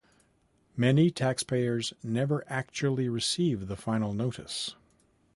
Many taxpayers never actually receive the final notice.